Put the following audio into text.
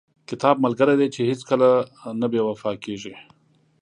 • کتاب ملګری دی چې هیڅکله نه بې وفا کېږي.